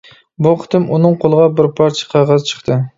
بۇ قېتىم ئۇنىڭ قولىغا بىر پارچە قەغەز چىقتى.